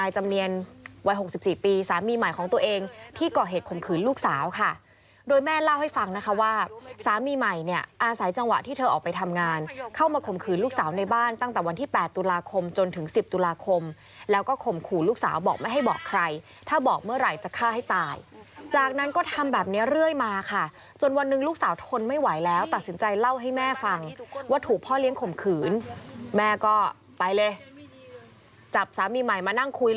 จังหวะที่เธอออกไปทำงานเข้ามาข่มขืนลูกสาวในบ้านตั้งแต่วันที่๘ตุลาคมจนถึง๑๐ตุลาคมแล้วก็ข่มขู่ลูกสาวบอกไม่ให้บอกใครถ้าบอกเมื่อไหร่จะฆ่าให้ตายจากนั้นก็ทำแบบนี้เรื่อยมาค่ะจนวันหนึ่งลูกสาวทนไม่ไหวแล้วตัดสินใจเล่าให้แม่ฟังว่าถูกพ่อเลี้ยงข่มขืนแม่ก็ไปเลยจับสามีใหม่มานั่งค